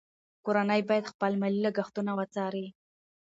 کورنۍ باید خپل مالي لګښتونه وڅاري.